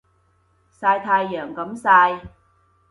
曬太陽咁曬